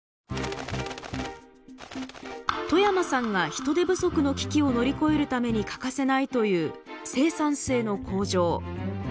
冨山さんが人手不足の危機を乗り越えるために欠かせないという「生産性の向上」。